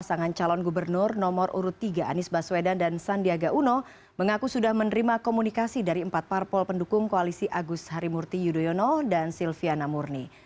pasangan calon gubernur nomor urut tiga anies baswedan dan sandiaga uno mengaku sudah menerima komunikasi dari empat parpol pendukung koalisi agus harimurti yudhoyono dan silviana murni